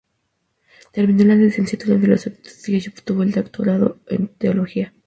Terminó la Licenciatura en Filosofía y obtuvo el Doctorado en Teología.